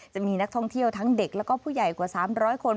จะมีนักท่องเที่ยวทั้งเด็กแล้วก็ผู้ใหญ่กว่า๓๐๐คน